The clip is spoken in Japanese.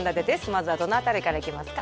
まずはどの辺りからいきますか？